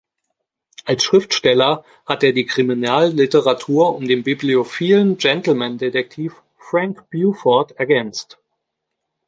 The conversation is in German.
Als Schriftsteller hat er die Kriminalliteratur um den bibliophilen Gentleman-Detektiv Frank Beaufort ergänzt.